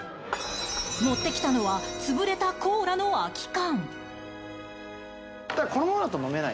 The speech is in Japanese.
持ってきたのはつぶれたコーラの空き缶。